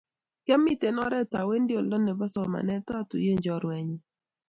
Kiamito oret awendi oldo nebo somanet atuyiechi chorwenyu